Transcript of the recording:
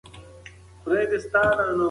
د ښځې لپاره تر هر څه وړاندې د کور پرده مهمه ده.